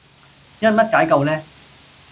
因乜解救呢